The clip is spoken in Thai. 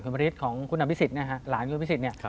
คุณภริษของคุณอาบิสิทธิ์หลานคุณอาบิสิทธิ์เนี่ย